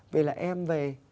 vì là em về